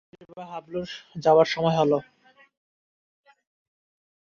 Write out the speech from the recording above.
নবীন, মোতির মা, হাবলুর যাবার সময় হল।